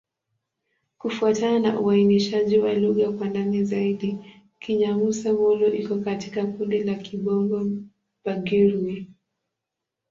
Kufuatana na uainishaji wa lugha kwa ndani zaidi, Kinyamusa-Molo iko katika kundi la Kibongo-Bagirmi.